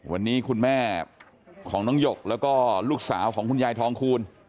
วันนี้คุณแม่ของน้องหยกแล้วก็ลูกสาวของคุณยายทองคูณ